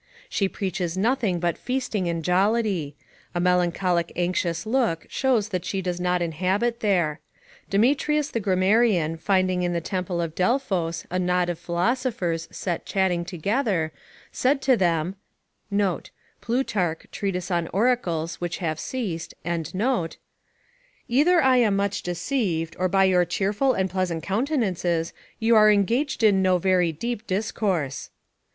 She preaches nothing but feasting and jollity; a melancholic anxious look shows that she does not inhabit there. Demetrius the grammarian finding in the temple of Delphos a knot of philosophers set chatting together, said to them, [Plutarch, Treatise on Oracles which have ceased] "Either I am much deceived, or by your cheerful and pleasant countenances, you are engaged in no, very deep discourse."